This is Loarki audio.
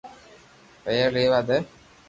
پيوا ليوا دي